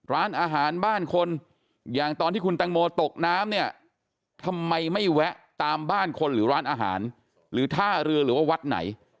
ร้านอาหารบ้านคนอย่างตอนที่คุณตังโมตกน้ำเนี่ยทำไมไม่แวะตามบ้านคนหรือร้านอาหารหรือท่าเรือหรือว่าวัดไหน